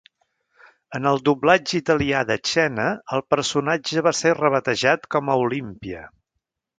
En el doblatge italià de Xena, el personatge va ser rebatejat com a "Olimpia".